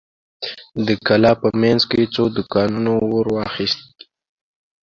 د کلا په مينځ کې څو دوکانونو اور واخيست.